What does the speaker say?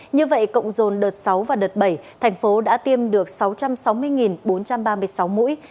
như vậy cộng dồn đợt sáu và đợt bảy thành phố đã tiêm được sáu trăm sáu mươi bốn trăm ba mươi sáu mũi